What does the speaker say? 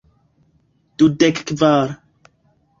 Dudek kvar.